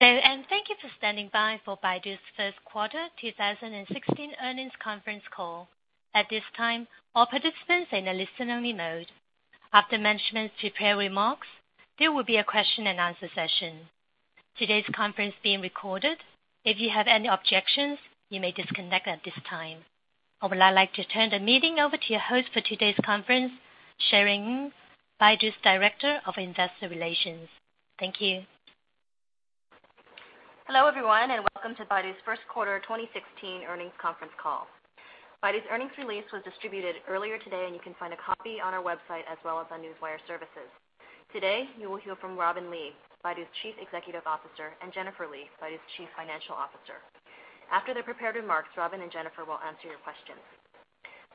Hello, and thank you for standing by for Baidu's first quarter 2016 earnings conference call. At this time, all participants are in a listen-only mode. After management's prepared remarks, there will be a question and answer session. Today's conference is being recorded. If you have any objections, you may disconnect at this time. I would now like to turn the meeting over to your host for today's conference, Sharon Ng, Baidu's Director of Investor Relations. Thank you. Hello, everyone, welcome to Baidu's first quarter 2016 earnings conference call. Baidu's earnings release was distributed earlier today, and you can find a copy on our website as well as on Newswire Services. Today, you will hear from Robin Li, Baidu's Chief Executive Officer, and Jennifer Li, Baidu's Chief Financial Officer. After their prepared remarks, Robin and Jennifer will answer your questions.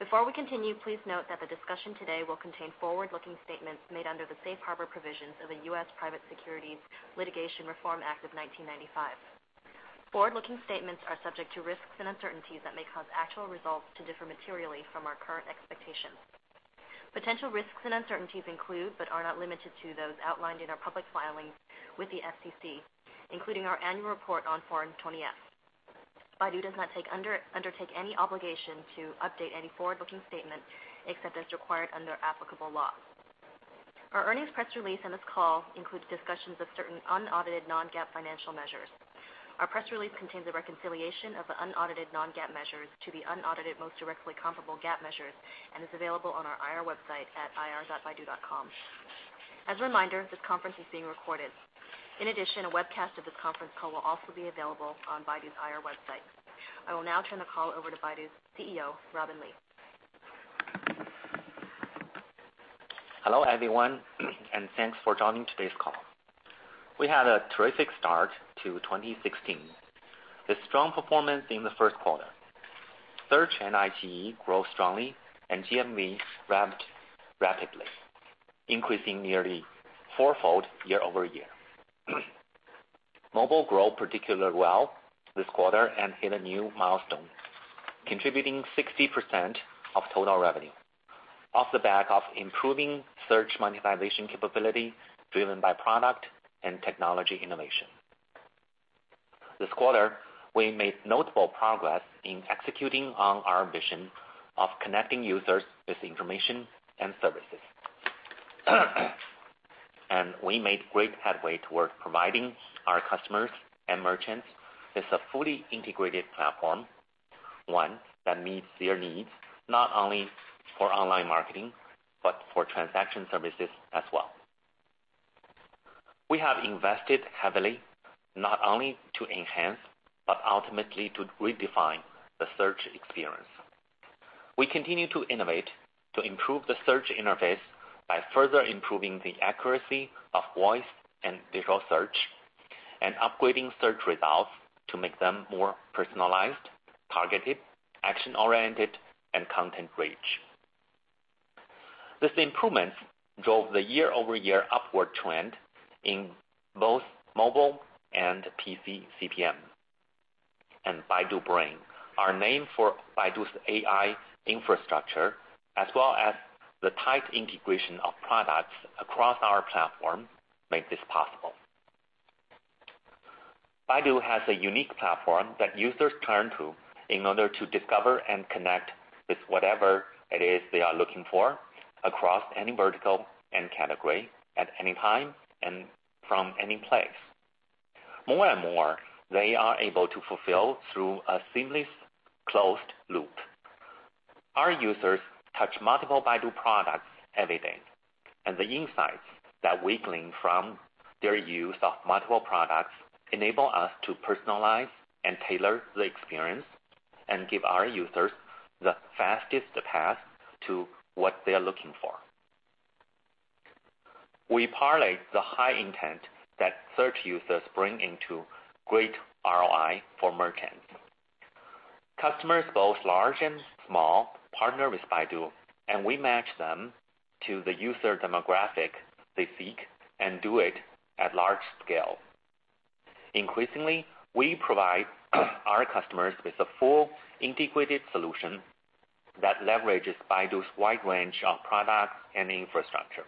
Before we continue, please note that the discussion today will contain forward-looking statements made under the Safe Harbor provisions of the U.S. Private Securities Litigation Reform Act of 1995. Forward-looking statements are subject to risks and uncertainties that may cause actual results to differ materially from our current expectations. Potential risks and uncertainties include, but are not limited to, those outlined in our public filings with the SEC, including our annual report on Form 20-F. Baidu does not undertake any obligation to update any forward-looking statement except as required under applicable law. Our earnings press release and this call includes discussions of certain unaudited non-GAAP financial measures. Our press release contains a reconciliation of the unaudited non-GAAP measures to the unaudited most directly comparable GAAP measures and is available on our IR website at ir.baidu.com. As a reminder, this conference is being recorded. In addition, a webcast of this conference call will also be available on Baidu's IR website. I will now turn the call over to Baidu's CEO, Robin Li. Hello, everyone, thanks for joining today's call. We had a terrific start to 2016 with strong performance in the first quarter. Search and IGE grew strongly, and GMV ramped rapidly, increasing nearly fourfold year-over-year. Mobile grew particularly well this quarter and hit a new milestone, contributing 60% of total revenue off the back of improving search monetization capability driven by product and technology innovation. This quarter, we made notable progress in executing on our vision of connecting users with information and services. We made great headway towards providing our customers and merchants with a fully integrated platform, one that meets their needs not only for online marketing, but for transaction services as well. We have invested heavily not only to enhance but ultimately to redefine the search experience. We continue to innovate to improve the search interface by further improving the accuracy of voice and digital search and upgrading search results to make them more personalized, targeted, action-oriented, and content rich. These improvements drove the year-over-year upward trend in both mobile and PC CPM. Baidu Brain, our name for Baidu's AI infrastructure, as well as the tight integration of products across our platform, made this possible. Baidu has a unique platform that users turn to in order to discover and connect with whatever it is they are looking for across any vertical and category at any time and from any place. More and more, they are able to fulfill through a seamless closed loop. Our users touch multiple Baidu products every day, the insights that we glean from their use of multiple products enable us to personalize and tailor the experience and give our users the fastest path to what they are looking for. We parlay the high intent that search users bring into great ROI for merchants. Customers, both large and small, partner with Baidu, and we match them to the user demographic they seek and do it at large scale. Increasingly, we provide our customers with a full integrated solution that leverages Baidu's wide range of products and infrastructure.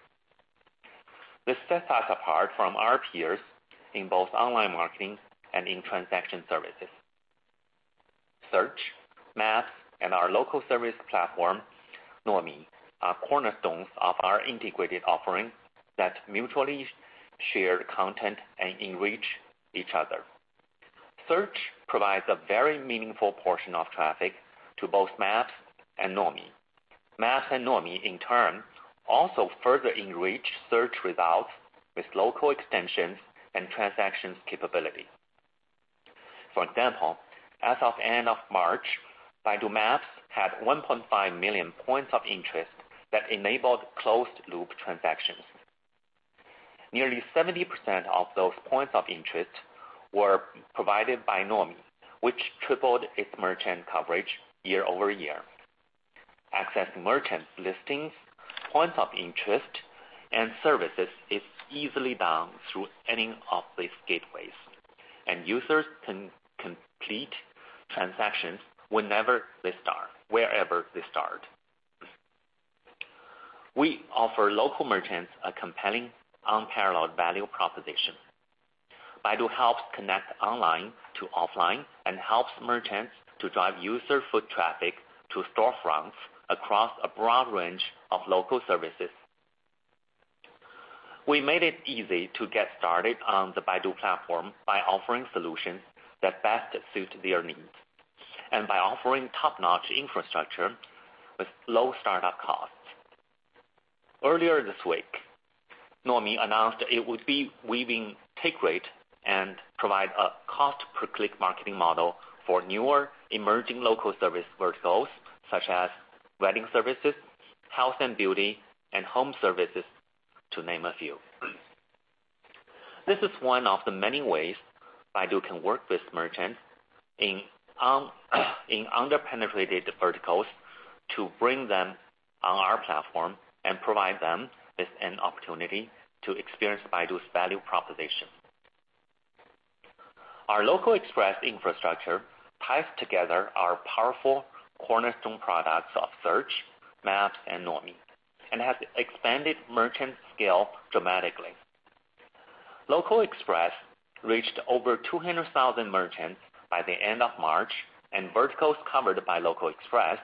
This sets us apart from our peers in both online marketing and in transaction services. Search, Maps, and our local service platform, Nuomi, are cornerstones of our integrated offering that mutually share content and enrich each other. Search provides a very meaningful portion of traffic to both Maps and Nuomi. Maps and Nuomi, in turn, also further enrich search results with local extensions and transactions capability. For example, as of end of March, Baidu Maps had 1.5 million points of interest that enabled closed loop transactions. Nearly 70% of those points of interest were provided by Nuomi, which tripled its merchant coverage year-over-year. Accessing merchant listings, points of interest, and services is easily done through any of these gateways, and users can complete transactions wherever they start. We offer local merchants a compelling, unparalleled value proposition. Baidu helps connect online to offline and helps merchants to drive user foot traffic to storefronts across a broad range of local services. We made it easy to get started on the Baidu platform by offering solutions that best suit their needs, and by offering top-notch infrastructure with low startup costs. Earlier this week, Nuomi announced it would be waiving take rate and provide a cost per click marketing model for newer emerging local service verticals, such as wedding services, health and beauty, and home services, to name a few. This is one of the many ways Baidu can work with merchants in under-penetrated verticals to bring them on our platform and provide them with an opportunity to experience Baidu's value proposition. Our Local Express infrastructure ties together our powerful cornerstone products of Search, Maps, and Nuomi, and has expanded merchant scale dramatically. Local Express reached over 200,000 merchants by the end of March, and verticals covered by Local Express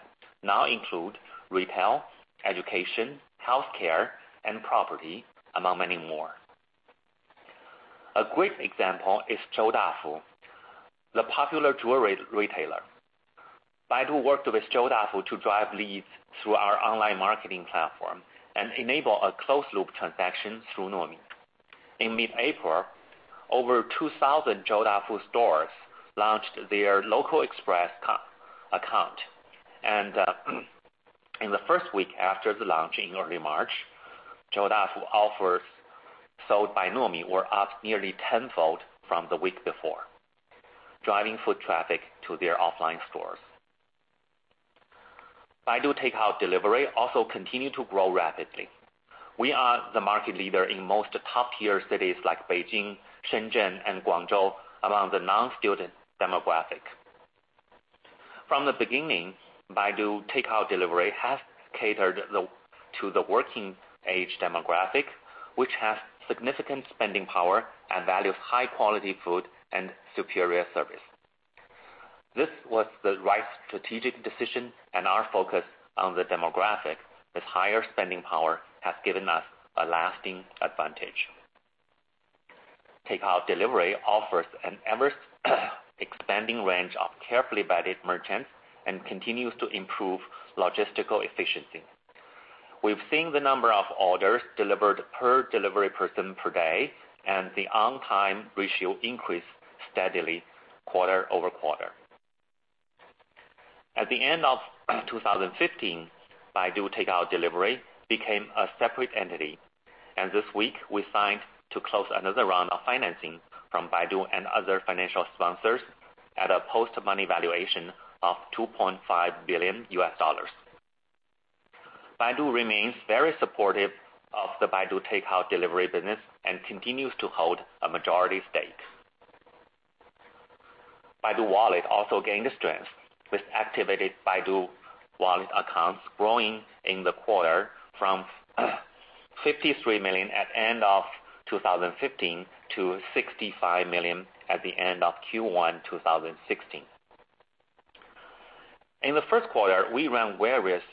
now include retail, education, healthcare, and property, among many more. A great example is Chow Tai Fook, the popular jewelry retailer. Baidu worked with Chow Tai Fook to drive leads through our online marketing platform and enable a closed-loop transaction through Nuomi. In mid-April, over 2,000 Chow Tai Fook stores launched their Local Express account. In the first week after the launch in early March, Chow Tai Fook offers sold by Nuomi were up nearly tenfold from the week before, driving foot traffic to their offline stores. Baidu Takeout Delivery also continued to grow rapidly. We are the market leader in most top-tier cities like Beijing, Shenzhen, and Guangzhou, among the non-student demographic. From the beginning, Baidu Takeout Delivery has catered to the working age demographic, which has significant spending power and values high-quality food and superior service. This was the right strategic decision, our focus on the demographic with higher spending power has given us a lasting advantage. Takeout Delivery offers an ever-expanding range of carefully vetted merchants and continues to improve logistical efficiency. We've seen the number of orders delivered per delivery person per day and the on-time ratio increase steadily quarter over quarter. At the end of 2015, Baidu Takeout Delivery became a separate entity, this week we signed to close another round of financing from Baidu and other financial sponsors at a post-money valuation of $2.5 billion US. Baidu remains very supportive of the Baidu Takeout Delivery business and continues to hold a majority stake. Baidu Wallet also gained strength with activated Baidu Wallet accounts growing in the quarter from 53 million at end of 2015 to 65 million at the end of Q1 2016. In the first quarter, we ran various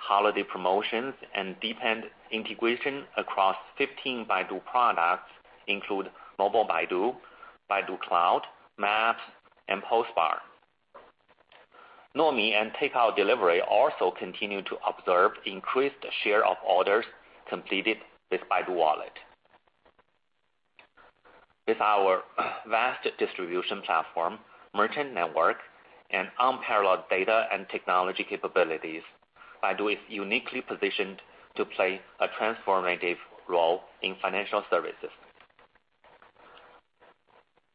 holiday promotions and deepened integration across 15 Baidu products, include Mobile Baidu, Baidu Cloud, Maps, and Postbar. Nuomi and Takeout Delivery also continued to observe increased share of orders completed with Baidu Wallet. With our vast distribution platform, merchant network, and unparalleled data and technology capabilities, Baidu is uniquely positioned to play a transformative role in financial services.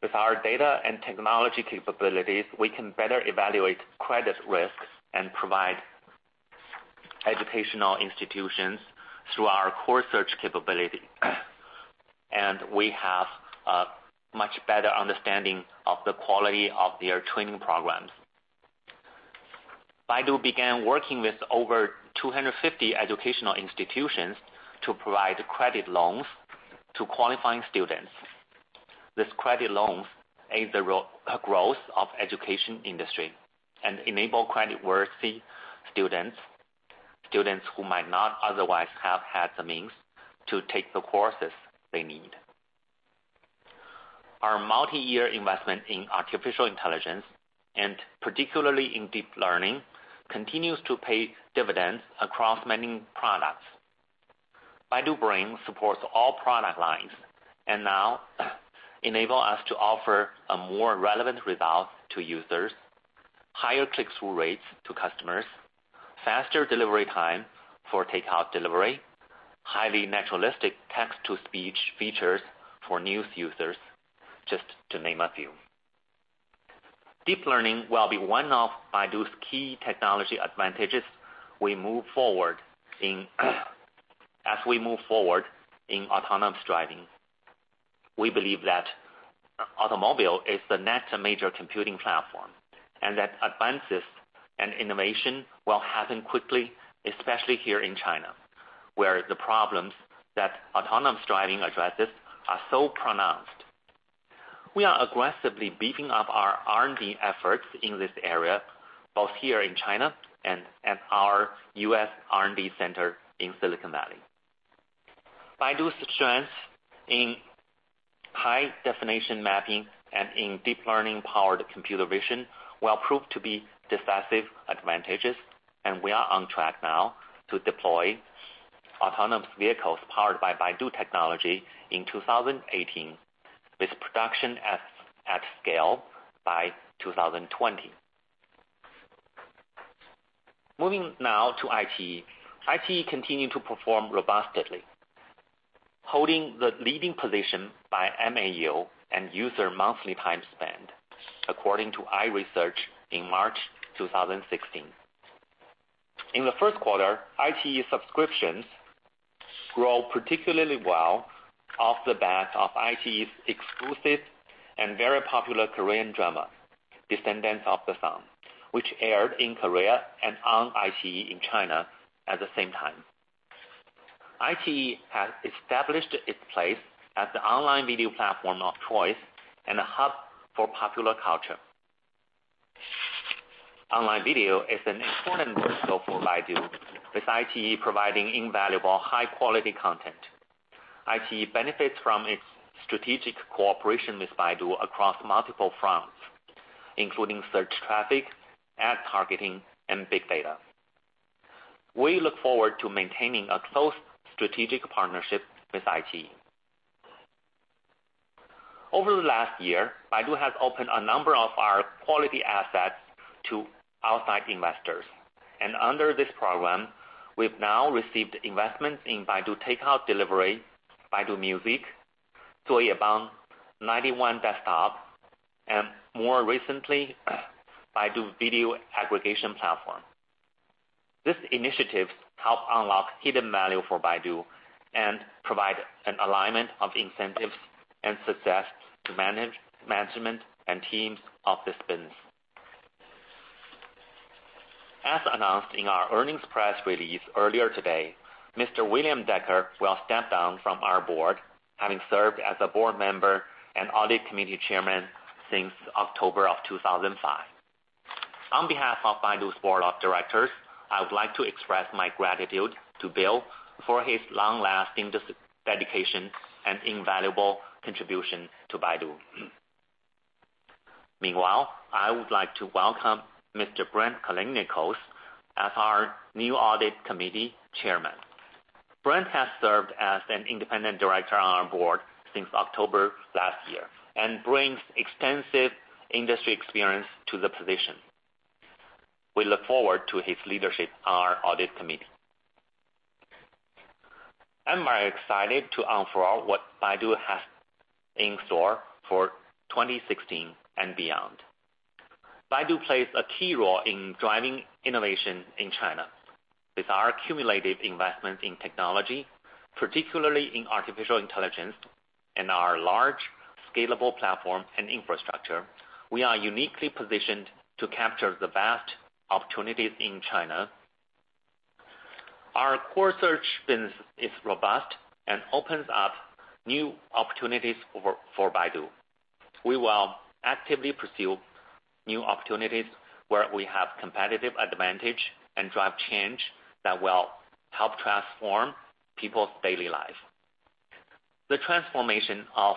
With our data and technology capabilities, we can better evaluate credit risks and provide educational institutions through our core search capability. We have a much better understanding of the quality of their training programs. Baidu began working with over 250 educational institutions to provide credit loans to qualifying students. These credit loans aid the growth of education industry and enable creditworthy students who might not otherwise have had the means to take the courses they need. Our multi-year investment in artificial intelligence, and particularly in deep learning, continues to pay dividends across many products. Baidu Brain supports all product lines and now enable us to offer a more relevant result to users, higher click-through rates to customers, faster delivery time for Takeout Delivery, highly naturalistic text-to-speech features for news users, just to name a few. Deep learning will be one of Baidu's key technology advantages as we move forward in autonomous driving. We believe that automobile is the next major computing platform, that advances and innovation will happen quickly, especially here in China, where the problems that autonomous driving addresses are so pronounced. We are aggressively beefing up our R&D efforts in this area, both here in China and at our U.S. R&D center in Silicon Valley. Baidu's strength in high definition mapping and in deep learning powered computer vision will prove to be decisive advantages. We are on track now to deploy autonomous vehicles powered by Baidu technology in 2018, with production at scale by 2020. Moving now to iQIYI. iQIYI continued to perform robustly, holding the leading position by MAU and user monthly time spent, according to iResearch in March 2016. In the first quarter, iQIYI subscriptions grow particularly well off the back of iQIYI's exclusive and very popular Korean drama, "Descendants of the Sun," which aired in Korea and on iQIYI in China at the same time. iQIYI has established its place as the online video platform of choice and a hub for popular culture. Online video is an important window for Baidu, with iQIYI providing invaluable high-quality content. iQIYI benefits from its strategic cooperation with Baidu across multiple fronts, including search traffic, ad targeting, and big data. We look forward to maintaining a close strategic partnership with iQIYI. Over the last year, Baidu has opened a number of our quality assets to outside investors. Under this program, we've now received investments in Baidu Takeout Delivery, Baidu Music, Zuoyebang, 91 Desktop, and more recently, Baidu Video Aggregation Platform. These initiatives help unlock hidden value for Baidu and provide an alignment of incentives and success to management and teams of the spins. As announced in our earnings press release earlier today, Mr. William Decker will step down from our board, having served as a Board Member and Audit Committee Chairman since October of 2005. On behalf of Baidu's board of directors, I would like to express my gratitude to Bill for his long-lasting dedication and invaluable contribution to Baidu. Meanwhile, I would like to welcome Mr. Brent Callinicos as our new Audit Committee Chairman. Brent has served as an independent director on our board since October last year and brings extensive industry experience to the position. We look forward to his leadership on our audit committee. I'm very excited to unfold what Baidu has in store for 2016 and beyond. Baidu plays a key role in driving innovation in China. With our accumulated investment in technology, particularly in artificial intelligence and our large scalable platform and infrastructure, we are uniquely positioned to capture the vast opportunities in China. Our core search business is robust and opens up new opportunities for Baidu. We will actively pursue new opportunities where we have competitive advantage and drive change that will help transform people's daily life. The transformation of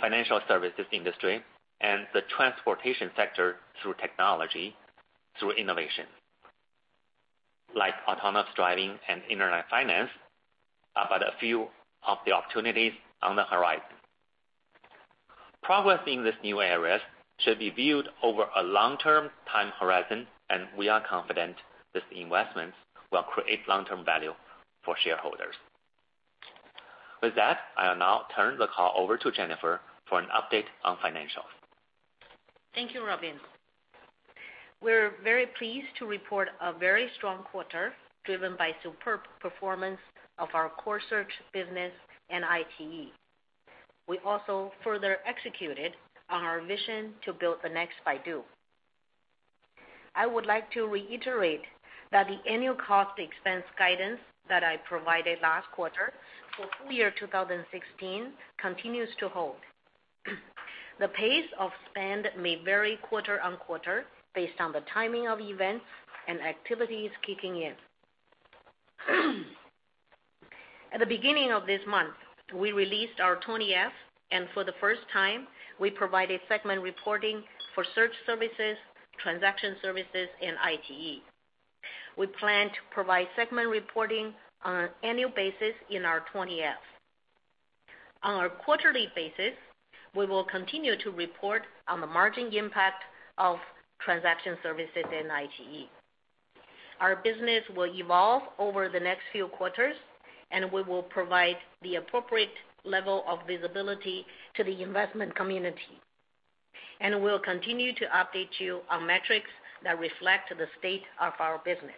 financial services industry and the transportation sector through technology, through innovation like autonomous driving and internet finance are but a few of the opportunities on the horizon. Progress in these new areas should be viewed over a long-term time horizon. We are confident these investments will create long-term value for shareholders. With that, I will now turn the call over to Jennifer for an update on financials. Thank you, Robin. We're very pleased to report a very strong quarter driven by superb performance of our core search business and iQIYI. We also further executed on our vision to build the next Baidu. I would like to reiterate that the annual cost expense guidance that I provided last quarter for full year 2016 continues to hold. The pace of spend may vary quarter-on-quarter based on the timing of events and activities kicking in. At the beginning of this month, we released our 20-F, and for the first time, we provided segment reporting for search services, transaction services, and iQIYI. We plan to provide segment reporting on an annual basis in our 20-F. On our quarterly basis, we will continue to report on the margin impact of transaction services in iQIYI. Our business will evolve over the next few quarters, and we'll continue to update you on metrics that reflect the state of our business.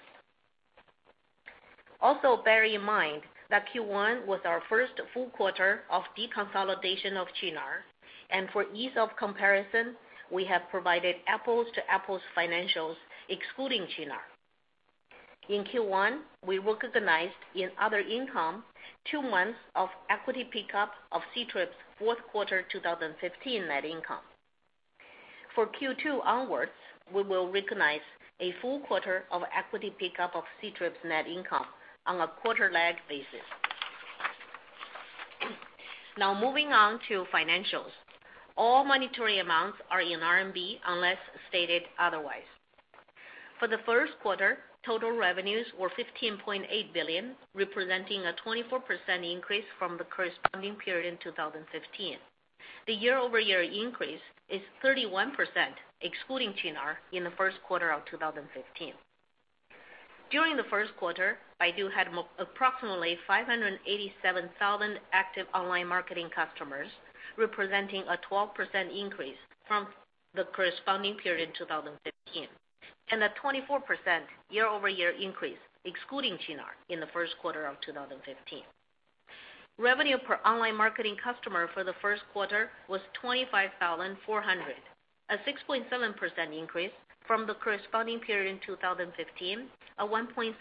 Also bear in mind that Q1 was our first full quarter of deconsolidation of Qunar. For ease of comparison, we have provided apples-to-apples financials excluding Qunar. In Q1, we recognized in other income two months of equity pickup of Ctrip's fourth quarter 2015 net income. For Q2 onwards, we will recognize a full quarter of equity pickup of Ctrip's net income on a quarter-lag basis. Moving on to financials. All monetary amounts are in RMB unless stated otherwise. For the first quarter, total revenues were 15.8 billion, representing a 24% increase from the corresponding period in 2015. The year-over-year increase is 31%, excluding Qunar in the first quarter of 2015. During the first quarter, Baidu had approximately 587,000 active online marketing customers, representing a 12% increase from the corresponding period in 2015, and a 24% year-over-year increase, excluding Qunar in the first quarter of 2015. Revenue per online marketing customer for the first quarter was 25,400, a 6.7% increase from the corresponding period in 2015, a 1.6%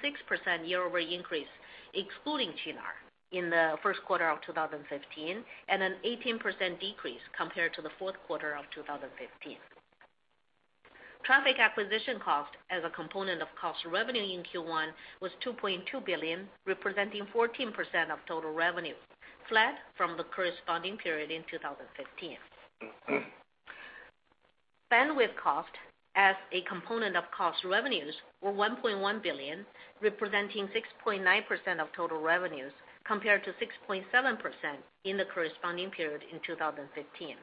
year-over-year increase, excluding Qunar in the first quarter of 2015, and an 18% decrease compared to the fourth quarter of 2015. Traffic Acquisition Cost as a component of cost of revenue in Q1 was 2.2 billion, representing 14% of total revenue, flat from the corresponding period in 2015. Bandwidth cost as a component of cost of revenues were 1.1 billion, representing 6.9% of total revenues, compared to 6.7% in the corresponding period in 2015.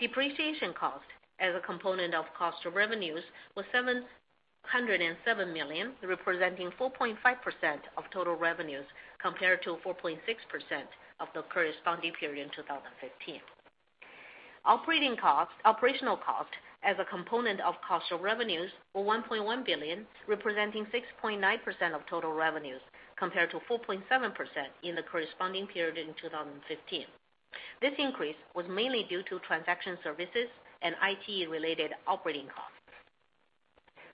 Depreciation cost as a component of cost of revenues was 707 million, representing 4.5% of total revenues, compared to 4.6% of the corresponding period in 2015. Operational cost as a component of cost of revenues were 1.1 billion, representing 6.9% of total revenues, compared to 4.7% in the corresponding period in 2015. This increase was mainly due to transaction services and IT-related operating costs.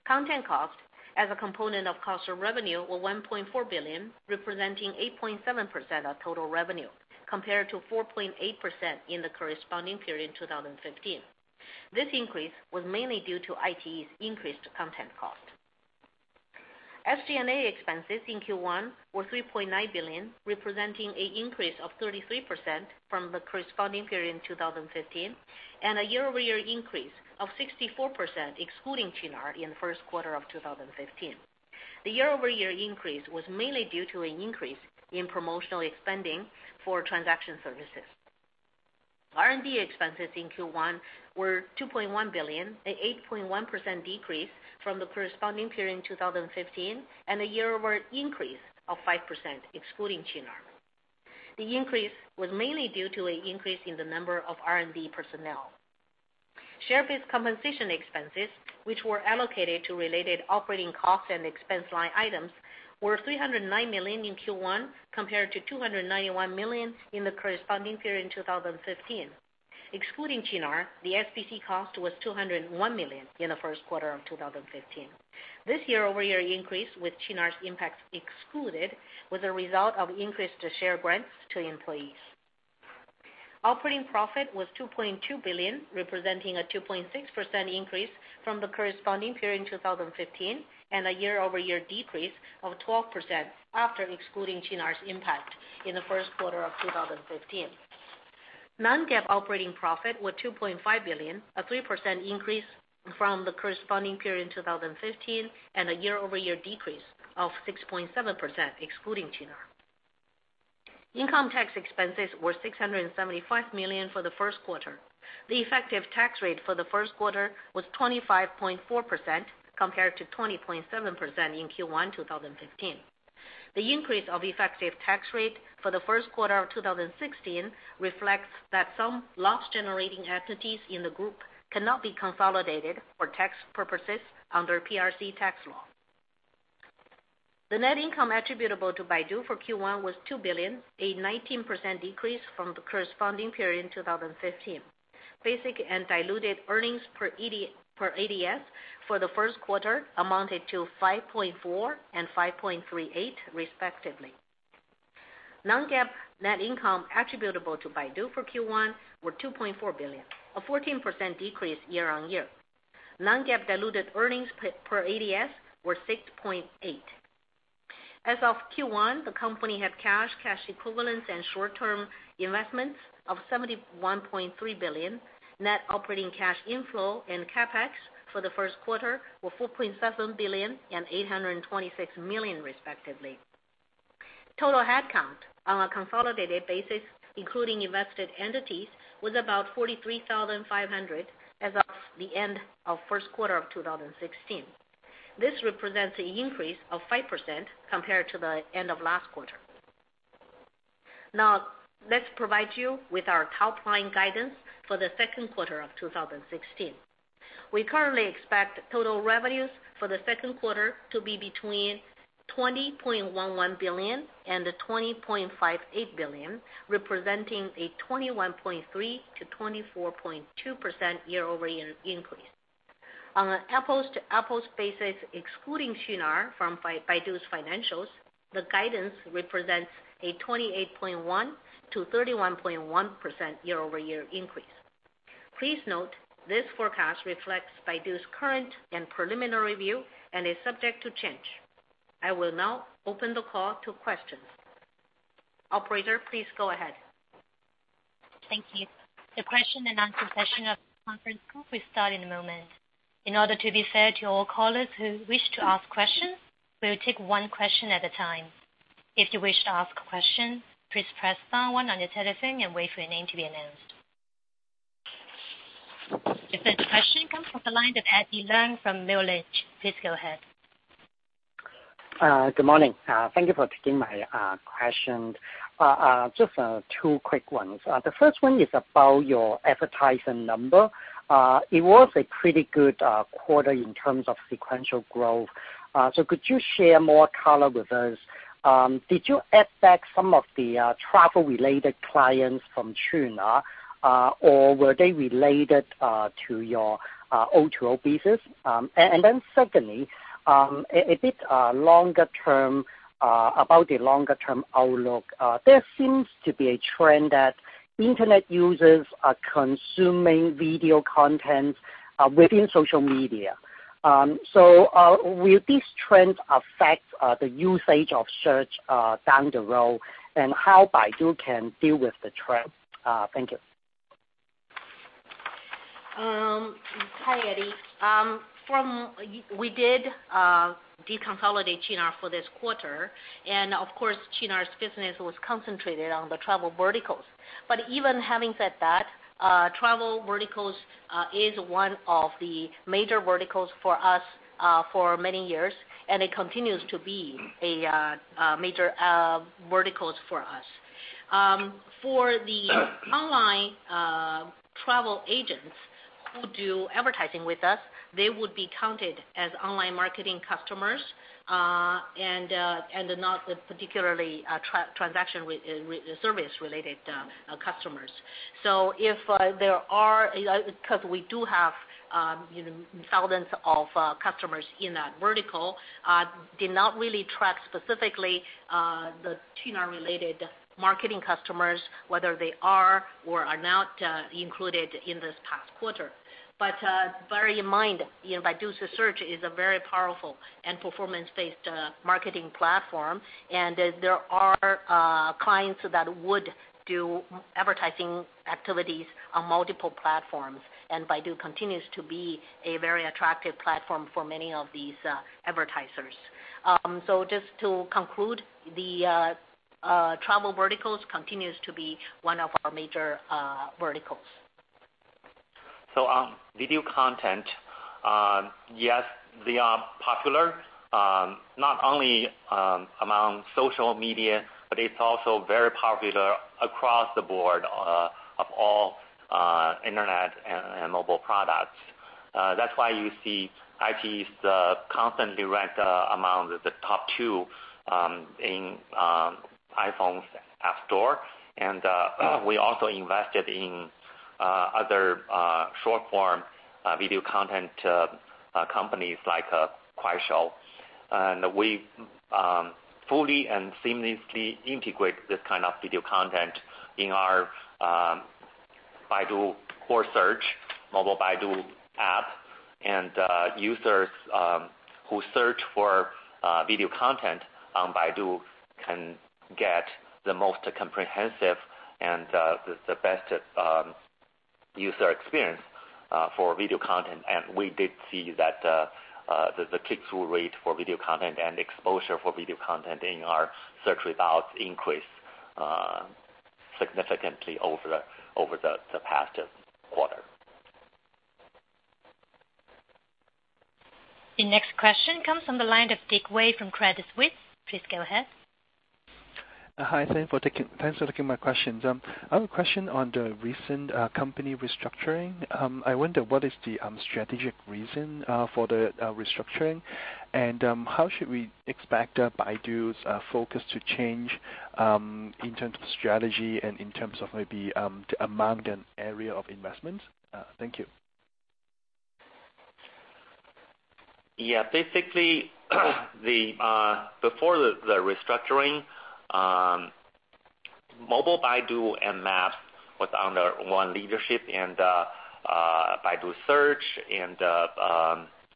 Content costs as a component of cost of revenues were 1.4 billion, representing 8.7% of total revenue, compared to 4.8% in the corresponding period in 2015. This increase was mainly due to iQIYI's increased content cost. SG&A expenses in Q1 were 3.9 billion, representing an increase of 33% from the corresponding period in 2015, and a year-over-year increase of 64%, excluding Qunar in the first quarter of 2015. The year-over-year increase was mainly due to an increase in promotional spending for transaction services. R&D expenses in Q1 were 2.1 billion, an 8.1% decrease from the corresponding period in 2015, and a year-over-year increase of 5%, excluding Qunar. The increase was mainly due to an increase in the number of R&D personnel. Share-based compensation expenses, which were allocated to related operating costs and expense line items, were 309 million in Q1 compared to 291 million in the corresponding period in 2015. Excluding Qunar, the SBC cost was 201 million in the first quarter of 2015. This year-over-year increase with Qunar's impact excluded was a result of increased share grants to employees. Operating profit was 2.2 billion, representing a 2.6% increase from the corresponding period in 2015, and a year-over-year decrease of 12% after excluding Qunar's impact in the first quarter of 2015. Non-GAAP operating profit was 2.5 billion, a 3% increase from the corresponding period in 2015, and a year-over-year decrease of 6.7%, excluding Qunar. Income tax expenses were 675 million for the first quarter. The effective tax rate for the first quarter was 25.4% compared to 20.7% in Q1 2015. The increase of effective tax rate for the first quarter of 2016 reflects that some loss generating entities in the group cannot be consolidated for tax purposes under PRC tax law. The net income attributable to Baidu for Q1 was 2 billion, a 19% decrease from the corresponding period in 2015. Basic and diluted earnings per ADS for the first quarter amounted to 5.4 and 5.38 respectively. Non-GAAP net income attributable to Baidu for Q1 were 2.4 billion, a 14% decrease year-on-year. Non-GAAP diluted earnings per ADS were 6.8. As of Q1, the company had cash equivalents, and short-term investments of 71.3 billion. Net operating cash inflow and CapEx for the first quarter were 4.7 billion and 826 million respectively. Total headcount on a consolidated basis, including invested entities, was about 43,500 as of the end of first quarter of 2016. This represents an increase of 5% compared to the end of last quarter. Let's provide you with our top-line guidance for the second quarter of 2016. We currently expect total revenues for the second quarter to be between 20.11 billion and 20.58 billion, representing a 21.3%-24.2% year-over-year increase. On an apples-to-apples basis, excluding Xunlei from Baidu's financials, the guidance represents a 28.1%-31.1% year-over-year increase. Please note, this forecast reflects Baidu's current and preliminary view and is subject to change. I will now open the call to questions. Operator, please go ahead. Thank you. The question and answer session of the conference call will start in a moment. In order to be fair to all callers who wish to ask questions, we will take one question at a time. If you wish to ask a question, please press star one on your telephone and wait for your name to be announced. The first question comes from the line of Eddie Leung from Merrill Lynch. Please go ahead. Good morning. Thank you for taking my question. Just two quick ones. The first one is about your advertising number. It was a pretty good quarter in terms of sequential growth. Could you share more color with us? Did you add back some of the travel-related clients from Xunlei, or were they related to your O2O business? Secondly, a bit about the longer-term outlook. There seems to be a trend that internet users are consuming video content within social media. Will this trend affect the usage of Search down the road, and how Baidu can deal with the trend? Thank you. Hi, Eddie. We did deconsolidate Xunlei for this quarter. Of course, Xunlei's business was concentrated on the travel verticals. Even having said that, travel verticals is one of the major verticals for us for many years, and it continues to be a major vertical for us. For the online travel agents who do advertising with us, they would be counted as online marketing customers, and not particularly transaction service-related customers. Because we do have thousands of customers in that vertical, did not really track specifically the Xunlei-related marketing customers, whether they are or are not included in this past quarter. Bear in mind, Baidu's Search is a very powerful and performance-based marketing platform, and there are clients that would do advertising activities on multiple platforms, and Baidu continues to be a very attractive platform for many of these advertisers. Just to conclude, the travel verticals continues to be one of our major verticals. Video content, yes, they are popular. Not only among social media, but it's also very popular across the board of all internet and mobile products. That's why you see iQIYI constantly ranked among the top two in iPhone's App Store. We also invested in other short-form video content companies like Kuaishou. We fully and seamlessly integrate this kind of video content in our Baidu core search, Mobile Baidu app, and users who search for video content on Baidu can get the most comprehensive and the best user experience for video content. We did see that the click-through rate for video content and exposure for video content in our search results increased significantly over the past quarter. The next question comes from the line of Dick Wei from Credit Suisse. Please go ahead. Hi, thanks for taking my questions. I have a question on the recent company restructuring. I wonder what is the strategic reason for the restructuring, and how should we expect Baidu's focus to change in terms of strategy and in terms of maybe the amount and area of investment? Thank you. Basically, before the restructuring, Mobile Baidu and Baidu Maps was under one leadership, and Baidu Search and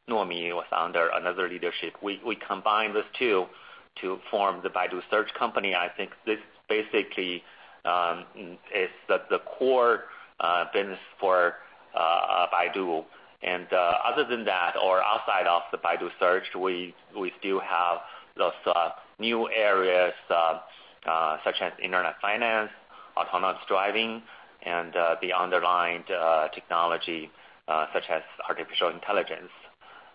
Nuomi was under another leadership. We combined those two to form the Baidu Search company. I think this basically is the core business for Baidu. Other than that or outside of the Baidu Search, we still have those new areas such as internet finance, autonomous drivingand the underlying technology, such as artificial intelligence.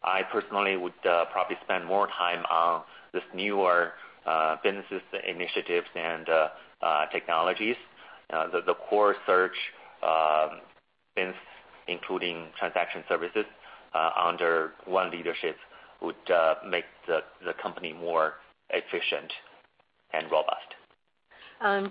I personally would probably spend more time on these newer businesses initiatives and technologies. The core Search, including transaction services under one leadership, would make the company more efficient and robust.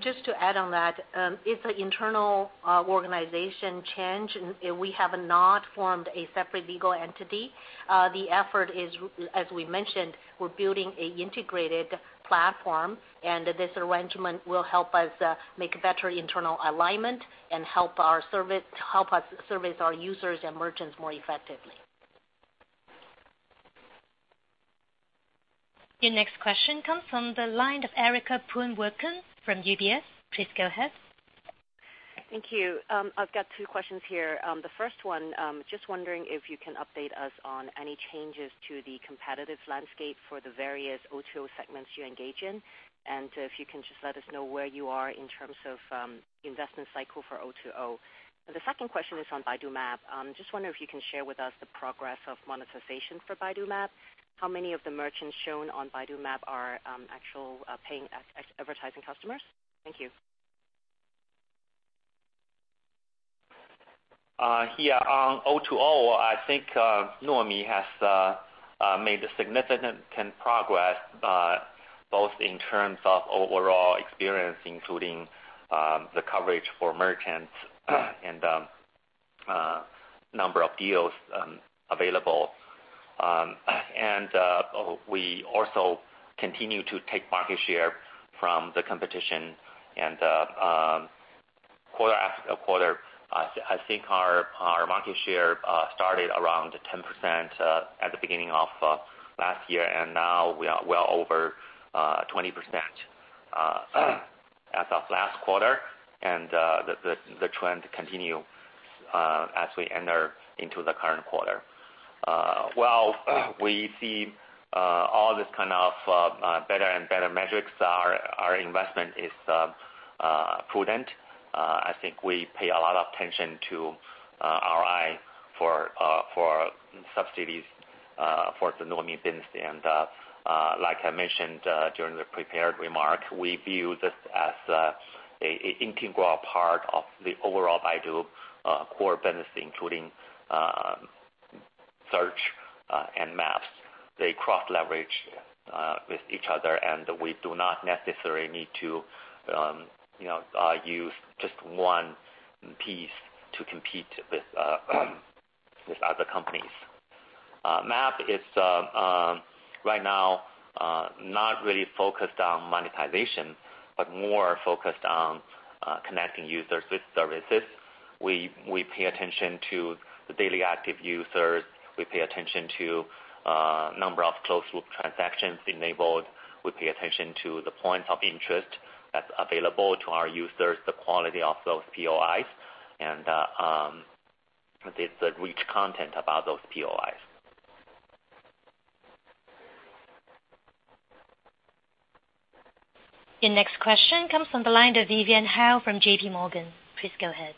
Just to add on that, it's an internal organization change. We have not formed a separate legal entity. The effort is, as we mentioned, we're building an integrated platform. This arrangement will help us make better internal alignment and help us service our users and merchants more effectively. Your next question comes from the line of Erica Poon Werkun from UBS. Please go ahead. Thank you. I've got two questions here. The first one, just wondering if you can update us on any changes to the competitive landscape for the various O2O segments you engage in, and if you can just let us know where you are in terms of investment cycle for O2O. The second question is on Baidu Map. Just wonder if you can share with us the progress of monetization for Baidu Map. How many of the merchants shown on Baidu Map are actual paying advertising customers? Thank you. On O2O, I think Nuomi has made significant progress, both in terms of overall experience, including the coverage for merchants and number of deals available. We also continue to take market share from the competition and quarter after quarter, I think our market share started around 10% at the beginning of last year, and now we are well over 20% as of last quarter. The trend continue as we enter into the current quarter. While we see all this kind of better and better metrics, our investment is prudent. I think we pay a lot of attention to ROI for subsidies for the Nuomi business. Like I mentioned during the prepared remarks, we view this as an integral part of the overall Baidu core business, including search and maps. They cross leverage with each other, we do not necessarily need to use just one piece to compete with other companies. Map is, right now, not really focused on monetization, but more focused on connecting users with services. We pay attention to the daily active users, we pay attention to number of closed loop transactions enabled, we pay attention to the points of interest that's available to our users, the quality of those POIs, and the rich content about those POIs. Your next question comes from the line of Vivian Hao from J.P. Morgan. Please go ahead.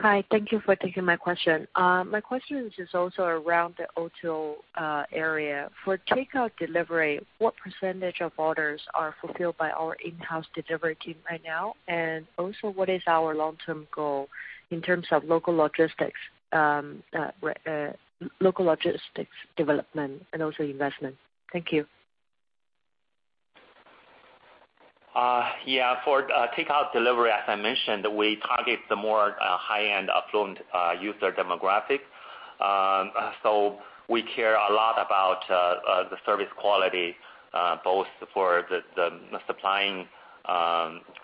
Hi. Thank you for taking my question. My question is also around the O2O area. For takeout delivery, what percentage of orders are fulfilled by all in-house delivery team right now? Also what is our long-term goal in terms of local logistics development and also investment? Thank you. Yeah. For takeout delivery, as I mentioned, we target the more high-end affluent user demographic. We care a lot about the service quality, both for the supplying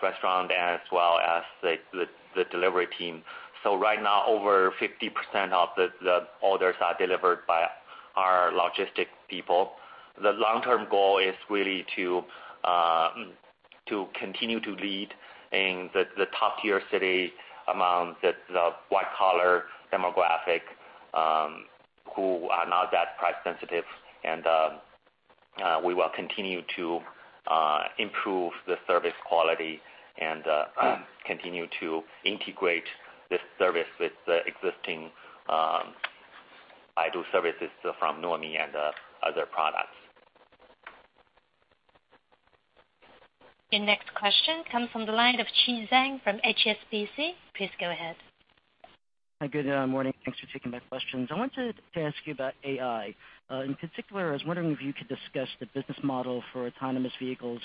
restaurant as well as the delivery team. Right now, over 50% of the orders are delivered by our logistic people. The long-term goal is really to continue to lead in the top-tier city among the white collar demographic, who are not that price sensitive. We will continue to improve the service quality and continue to integrate this service with the existing Baidu services from Nuomi and other products. Your next question comes from the line of Chi Tsang from HSBC. Please go ahead. Hi, good morning. Thanks for taking my questions. I wanted to ask you about AI. In particular, I was wondering if you could discuss the business model for autonomous vehicles,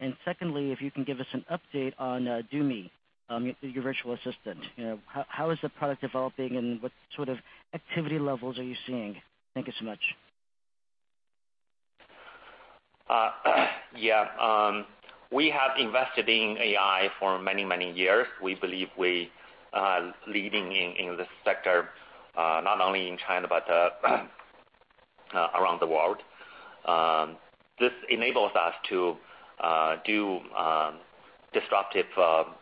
and secondly, if you can give us an update on Duer, your virtual assistant. How is the product developing, and what sort of activity levels are you seeing? Thank you so much. Yeah. We have invested in AI for many, many years. We believe we are leading in this sector, not only in China but around the world. This enables us to do disruptive